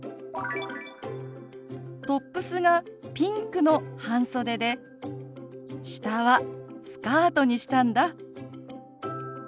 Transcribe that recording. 「トップスがピンクの半袖で下はスカートにしたんだ」。